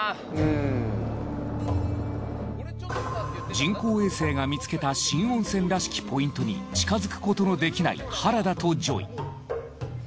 人工衛星が見つけた新温泉らしきポイントに近づくことのできない原田とＪＯＹ。